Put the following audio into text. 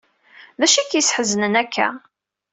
D acu i k-yesḥeznen akka?